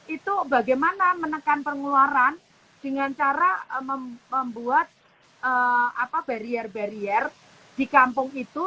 itu bagaimana menekan pengeluaran dengan cara membuat barier barier di kampung itu